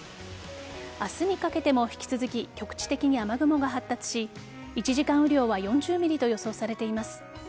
明日にかけても引き続き局地的に雨雲が発達し１時間雨量は４０ｍｍと予想されています。